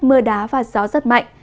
mưa đá và gió rất mạnh